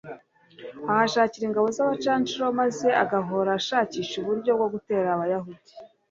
ahashakira ingabo z'abacancuro maze agahora ashakisha uburyo bwo gutera abayahudi